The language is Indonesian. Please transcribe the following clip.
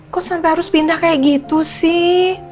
kok sampai harus pindah kayak gitu sih